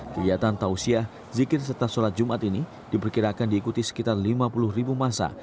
kegiatan tausiah zikir serta sholat jumat ini diperkirakan diikuti sekitar lima puluh ribu masa